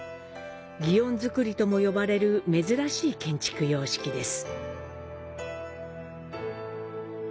祇園造とも呼ばれる珍しい建築様式です。